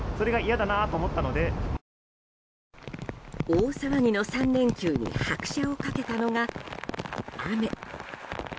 大騒ぎの３連休に拍車を掛けたのが雨。